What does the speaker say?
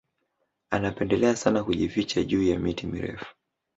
Anapendelea sana kujificha juu ya miti mirefu